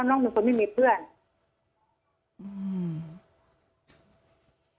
ยายก็ยังแอบไปขายขนมแล้วก็ไปถามเพื่อนบ้านว่าเห็นไหมอะไรยังไง